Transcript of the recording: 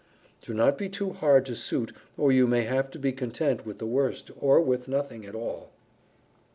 _Do not be too hard to suit or you may have to be content with the worst or with nothing at all.